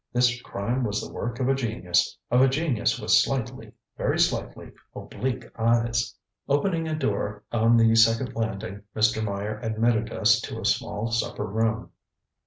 This crime was the work of a genius of a genius with slightly, very slightly, oblique eyes. ŌĆØ Opening a door on the second landing, Mr. Meyer admitted us to a small supper room.